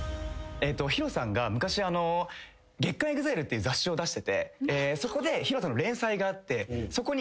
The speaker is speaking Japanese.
ＨＩＲＯさんが昔。っていう雑誌を出しててそこでＨＩＲＯさんの連載があってそこに。